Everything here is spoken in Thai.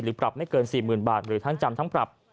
ปรับไม่เกิน๔๐๐๐บาทหรือทั้งจำทั้งปรับ